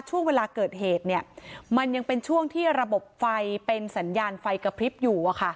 ช่วงเวลาเกิดเหตุมันยังเป็นช่วงที่ระบบไฟเป็นสัญญาณไฟกระพริบอยู่